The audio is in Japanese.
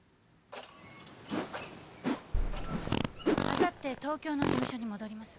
あさって東京の事務所に戻ります。